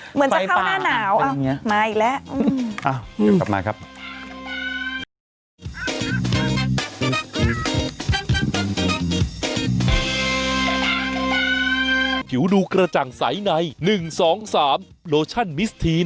เหมือนจะเข้าหน้าหนาวมาอีกแล้วเดี๋ยวกลับมาครับ